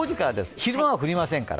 昼間は降りませんから。